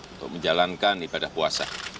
untuk menjalankan ibadah puasa